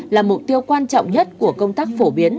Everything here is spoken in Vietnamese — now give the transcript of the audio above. là mục tiêu quan trọng nhất của công tác phổ biến